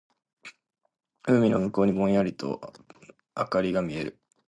海の向こうにぼんやりと灯りが見える。